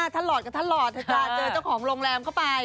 ท่านหลอดกันท่านหลอดเจอเจ้าของโรงแรมเข้าไป